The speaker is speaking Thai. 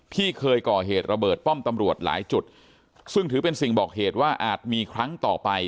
ที่เคยก่อเหตุระเบิดป้อมตำรวจหลายจุดซึ่งถือเป็นสิ่งบอกเหตุว่าอาจมีครั้งต่อไป